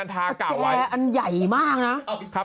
ประแจอันใหญ่มากนะ